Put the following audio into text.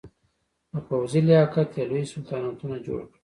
په پوځي لیاقت یې لوی سلطنتونه جوړ کړل.